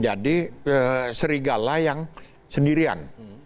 jadi serigala yang sendirian